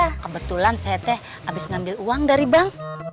iya kebetulan saya teh abis ngambil uang dari bank